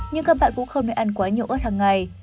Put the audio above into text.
nhưng các bạn cũng không nên ăn quá nhiều ớt hằng ngày